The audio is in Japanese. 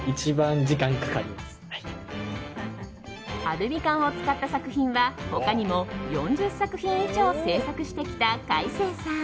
アルミ缶を使った作品は他にも４０作品以上制作してきたカイセイさん。